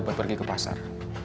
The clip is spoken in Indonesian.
buat pergi ke pasar